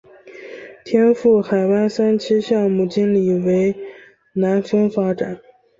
天赋海湾三期项目经理为南丰发展。